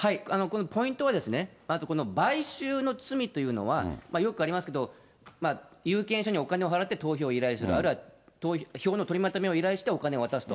ポイントはですね、まずこの買収の罪というのは、よくありますけど、有権者にお金を払って投票を依頼する、あるいは、票の取りまとめを依頼してお金を渡すと。